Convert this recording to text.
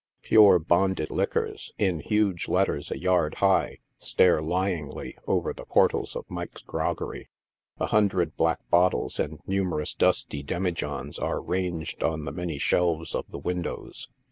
" Pure Bonded Liquors," in huge letters a yard high, stare lyingly over the portals of Mike's groggery. A hundred black bottles and numerous dusty demijohns are ranged on the many shelves of the windows.